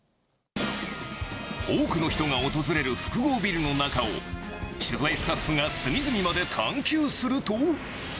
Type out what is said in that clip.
多くの人が訪れる複合ビルの中を、取材スタッフが隅々まで探求すると。